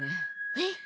えっ？